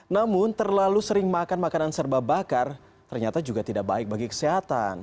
namun terlalu sering makan makanan serba bakar ternyata juga tidak baik bagi kesehatan